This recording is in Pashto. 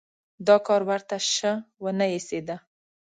دا کار ورته شه ونه ایسېده.